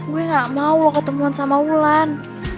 gue gak mau lo ketemuan sama ulan